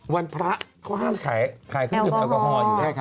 วันพระเขาห้ามขายเครื่องปรุงแอลกอฮอล์